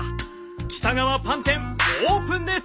北川パン店オープンです！